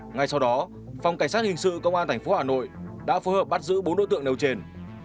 ngay sau đó phòng cảnh sát hình sự công an tp hà nội đã phối hợp bắt giữ bốn đối tượng nêu trên